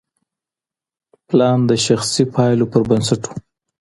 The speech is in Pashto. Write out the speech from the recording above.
پلان د شخصي پایلو پر بنسټ و.